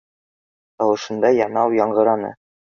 Тауышында янау яңғыраны